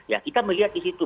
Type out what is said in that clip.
ya kita melihat disitu